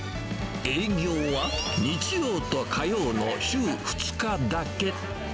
営業は日曜と火曜の週２日だけ。